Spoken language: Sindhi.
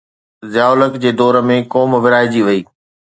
ضياءُ الحق جي دور ۾ قوم ورهائجي وئي.